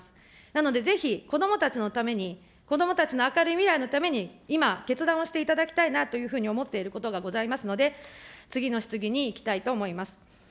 なのでぜひ、子どもたちのために、子どもたちの明るい未来のために、今、決断をしていただきたいなというふうに思っていることがございますので、次の質疑に行きたいと思います。